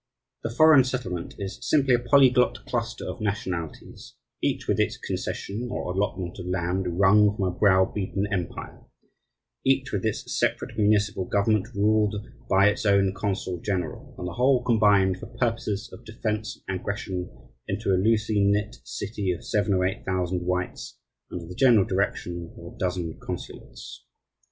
The foreign settlement is simply a polyglot cluster of nationalities, each with its "concession" or allotment of land wrung from a browbeaten empire, each with its separate municipal government ruled by its own consul general, and the whole combined, for purposes of defense and aggression, into a loosely knit city of seven or eight thousand whites under the general direction of a dozen consulates.